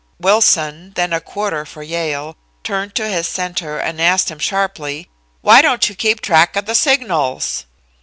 Wilson, then a quarter for Yale, turned to his center and asked him sharply: "'Why don't you keep track of the signals?'